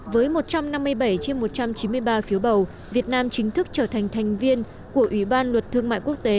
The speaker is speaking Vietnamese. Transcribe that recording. với một trăm năm mươi bảy trên một trăm chín mươi ba phiếu bầu việt nam chính thức trở thành thành viên của ủy ban luật thương mại quốc tế